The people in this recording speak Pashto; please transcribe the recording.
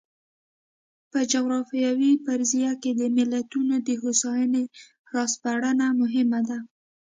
په جغرافیوي فرضیه کې د ملتونو د هوساینې را سپړنه مهمه ده.